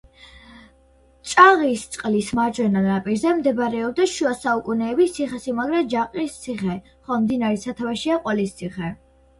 ჯაყისწყლის მარჯვენა ნაპირზე მდებარეობდა შუა საუკუნეების ციხესიმაგრე ჯაყის ციხე, ხოლო მდინარის სათავეშია ყველისციხე.